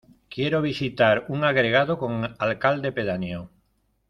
Quiero visitar un agregado con alcalde pedáneo.